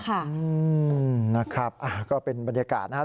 อืมนะครับก็เป็นบรรยากาศนะครับ